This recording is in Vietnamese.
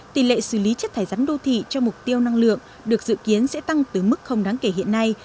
tỷ lệ xử lý chất thải rắn đô thị cho mục tiêu năng lượng được dự kiến sẽ tăng từ mức không đáng kể hiện nay